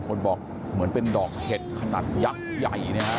คนบอกเหมือนเป็นดอกเห็ดขนาดยักษ์ใหญ่นะฮะ